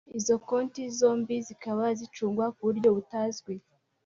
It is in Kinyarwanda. izo konti zombi zikaba zicungwa ku buryo butazwi